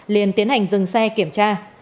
liên tiến hành dừng xe kiểm tra